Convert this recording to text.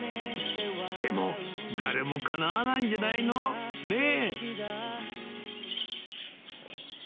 でも、誰もかなわないんじゃないの？ねぇ。